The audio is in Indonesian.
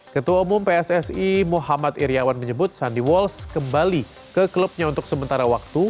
ketua umum pssi muhammad iryawan menyebut sandi walsh kembali ke klubnya untuk sementara waktu